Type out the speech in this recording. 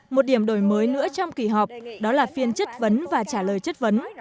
một điểm đổi mới nữa trong kỳ họp đó là phiên chất vấn và trả lời chất vấn